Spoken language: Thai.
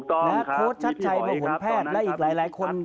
และโค้ชชัดใจว่าผลแพทย์และอีกหลายคน